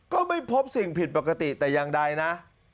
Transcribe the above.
ก็ไม่พบสิ่งผิดปกติแต่อย่างใดนะ